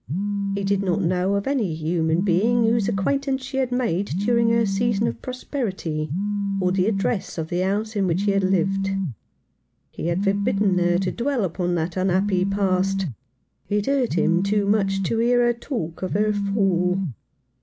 He did not know of any human being whose acquaintance she had made during her season of prosperity, or the address of the house in which she had lived. He had forbidden her to dwell upon that unhappy past. It hurt him too much to hear her talk of her fall.